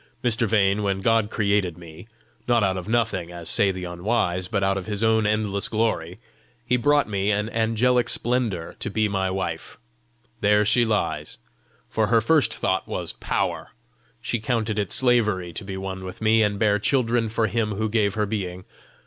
Mr. Vane, when God created me, not out of Nothing, as say the unwise, but out of His own endless glory He brought me an angelic splendour to be my wife: there she lies! For her first thought was POWER; she counted it slavery to be one with me, and bear children for Him who gave her being.